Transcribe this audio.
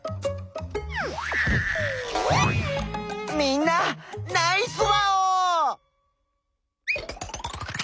みんなナイスワオー！